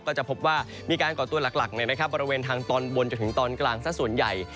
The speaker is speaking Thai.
ก็จะพบว่ามีการก่อตัวหลักบริเวณทางตอนบนจนถึงตอนกลางซะส่วนใหญ่